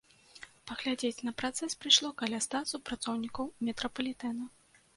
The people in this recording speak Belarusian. Паглядзець на працэс прыйшло каля ста супрацоўнікаў метрапалітэна.